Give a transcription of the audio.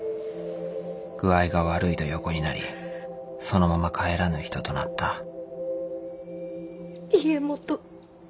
具合が悪いと横になりそのまま帰らぬ人となった家基。